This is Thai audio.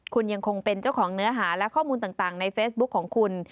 คุณยังคงเป็นเจ้าของเนื้อหาและข้อมูลต่างในเฟซบุ๊คของคุณ